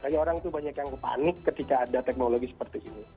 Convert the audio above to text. karena sekarang tuh banyak yang panik ketika ada teknologi seperti ini